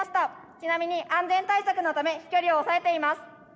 ちなみに安全対策のため飛距離を抑えています。